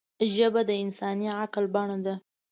ژبه د انساني عقل بڼه ده